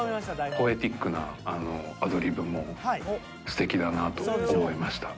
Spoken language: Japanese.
ポエティックなアドリブもと思いました。